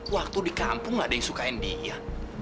waktu di kampung ada yang sukain dia